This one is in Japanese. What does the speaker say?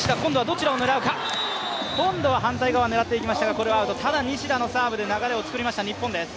今度は反対側狙っていきましたがこれはアウト、ただ西田のサーブで流れを作りました日本です。